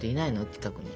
近くに。